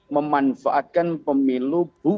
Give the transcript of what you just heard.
memanfaatkan pemilu buku